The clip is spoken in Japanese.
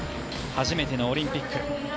初めてのオリンピック。